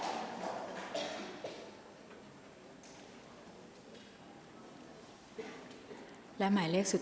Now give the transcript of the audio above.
ออกรางวัลเลขหน้า๓ตัวครั้งที่๑ค่ะ